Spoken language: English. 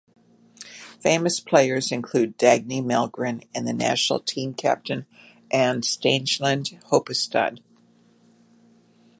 Famous players include Dagny Mellgren and the national team captain Ane Stangeland Horpestad.